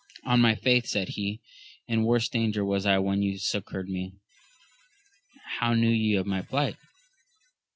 On my faith, said he, in worse danger was I when you succoured me : how knew ye of my plight